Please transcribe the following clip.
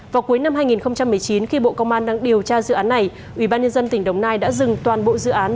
vào cuối năm hai nghìn một mươi chín khi bộ công an đang điều tra dự án này ủy ban nhân dân tp hcm đã dừng toàn bộ dự án